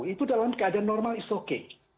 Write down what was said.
itu dalam keadaan normal is okay